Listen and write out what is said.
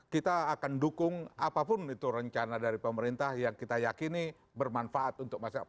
kita akan dukung apapun itu rencana dari pemerintah yang kita yakini bermanfaat untuk masyarakat